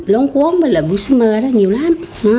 lông cuốn và mũi xứ mơ nhiều lắm